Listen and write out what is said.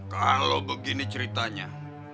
kalau begini ceritanya